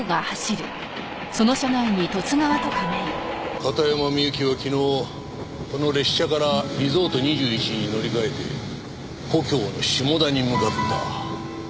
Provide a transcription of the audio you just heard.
片山みゆきは昨日この列車からリゾート２１に乗り換えて故郷の下田に向かった。